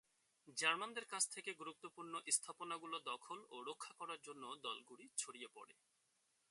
জার্মানদের কাছ থেকে গুরুত্বপূর্ণ স্থাপনাগুলো দখল ও রক্ষা করার জন্য দলগুলি ছড়িয়ে পড়ে।